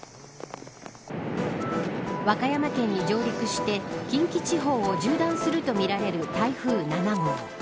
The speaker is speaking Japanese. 和歌山県に上陸して近畿地方を縦断するとみられる台風７号。